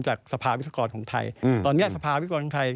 จากสภาวิศกรของไทยตอนนี้สภาวิกรของไทย